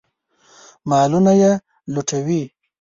مالونه یې لوټوي.